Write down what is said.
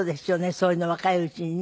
そういうの若いうちにね。